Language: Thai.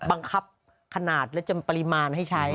บังคับขนาดและจำปริมาณให้ใช้